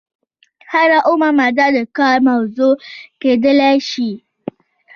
هره اومه ماده د کار موضوع کیدای شي.